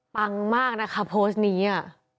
ปังมากนะคะโพสต์นี้อ่ะ